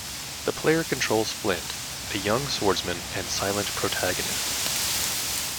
The player controls Flint, a young swordsman and silent protagonist.